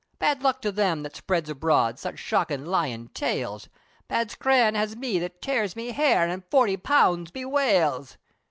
Bad luck to them, that spreads abroad, Such shockin' lyin' tales, Bad scran has me, that tears me hair, An' forty pounds bewails!"